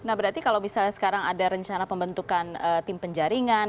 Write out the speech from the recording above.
nah berarti kalau misalnya sekarang ada rencana pembentukan tim penjaringan